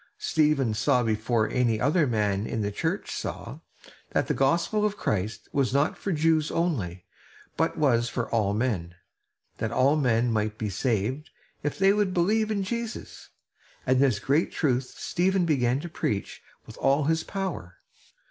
Stephen saw before any other man in the church saw, that the gospel of Christ was not for Jews only, but was for all men; that all men might be saved if they would believe in Jesus; and this great truth Stephen began to preach with all his power.